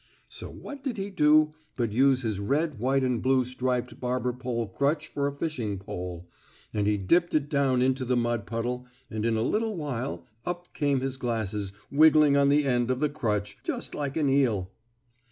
So what did he do but use his red white and blue striped barber pole crutch for a fishing pole, and he dipped it down in the mud puddle and in a little while up came his glasses wiggling on the end of the crutch just like an eel.